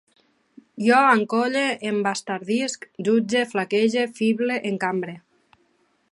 Jo encolle, embastardisc, jutge, flaquege, fible, encambre